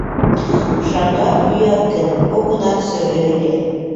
Шаҥгак йӱат гын, огынат сыре ыле...